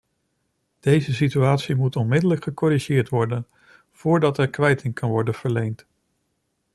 Deze situatie moet onmiddellijk gecorrigeerd worden voordat er kwijting kan worden verleend.